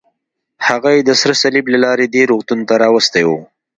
هغه یې د سره صلیب له لارې دې روغتون ته راوستی و.